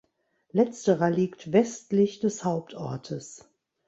Letzterer liegt westlich des Hauptortes.